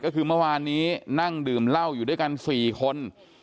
ก็คือเมื่อวานนี้นั่งดื่มเหล้าอยู่ด้วยกัน๔คน